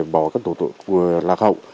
bỏ các thủ tục lạc hậu